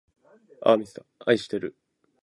あいしてる